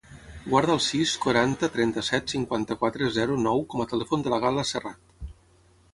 Guarda el sis, quaranta, trenta-set, cinquanta-quatre, zero, nou com a telèfon de la Gal·la Serrat.